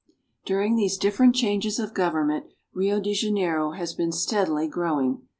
During these different changes of government Rio de Janeiro has been steadily growing.